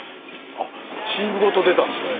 あチームごと出たんですね。